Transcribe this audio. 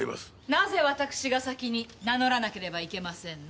なぜ私が先に名乗らなければいけませんの？